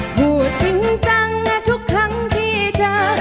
พูดจริงจังนะทุกครั้งที่เจอ